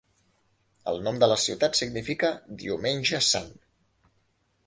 El nom de la ciutat significa "Diumenge Sant".